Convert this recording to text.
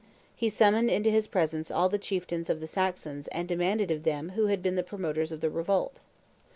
He summoned into his presence all the chieftains of the Saxons and demanded of them who had been the promoters of the revolt.